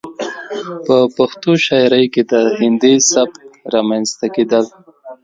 ،په پښتو شاعرۍ کې د هندي سبک رامنځته کېدل